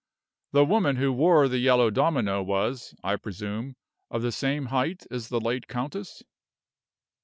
"The woman who wore the yellow domino was, I presume, of the same height as the late countess?"